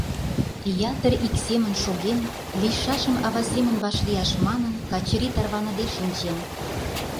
Ятыр ик семын шоген, лийшашым ава семын вашлияш манын, Качыри тарваныде шинчен.